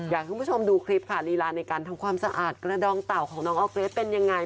อยากให้คุณผู้ชมดูคลิปค่ะลีลาในการทำความสะอาดกระดองเต่าของน้องออร์เกรสเป็นยังไง